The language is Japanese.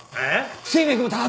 不整脈も多発。